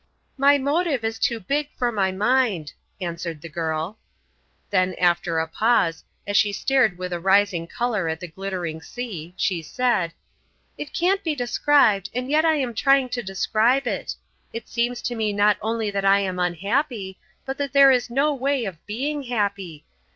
"My motive is too big for my mind," answered the girl. Then, after a pause, as she stared with a rising colour at the glittering sea, she said: "It can't be described, and yet I am trying to describe it. It seems to me not only that I am unhappy, but that there is no way of being happy.